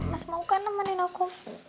mas mau kan nemenin aku